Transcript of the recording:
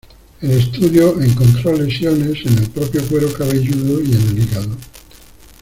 El estudio encontró lesiones en el propio cuero cabelludo y en el hígado.